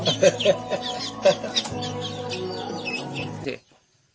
ฮ่าฮ่าฮ่า